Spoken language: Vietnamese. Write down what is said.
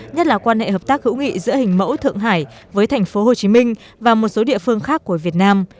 nhất là quan hệ hợp tác hữu nghị giữa hình mẫu thượng hải với thành phố hồ chí minh và một số địa phương khác của việt nam